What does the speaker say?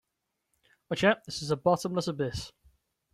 Watch out, this is a bottomless abyss!